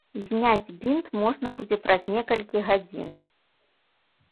Зняць бінт можна будзе праз некалькі гадзін.